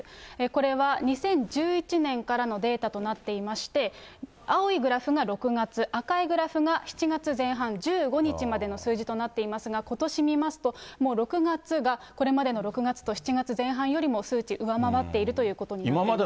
これは２０１１年からのデータとなっていまして、青いグラフが６月、赤いグラフが７月前半１５日までの数字となっていますが、ことし見ますと、もう６月がこれまでの６月と７月前半よりも数値上回っているということになっています。